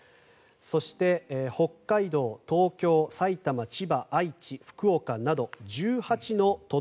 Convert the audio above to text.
そして北海道、東京、埼玉、千葉愛知、福岡など１８の都